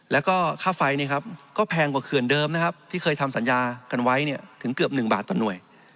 และค่าไฟก็แพงกว่าเคือนเดิมที่เคยทำสัญญากันไว้ถึงเกือบ๑บาทตอนหน่วย